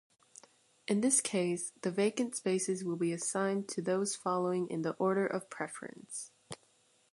In this case, the vacant spaces will be assigned to those following in the order of preference.